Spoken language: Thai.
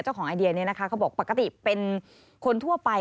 ไอเดียนี้นะคะเขาบอกปกติเป็นคนทั่วไป